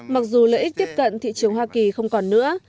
mặc dù lợi ích tiếp cận thị trường hoa kỳ không còn nữa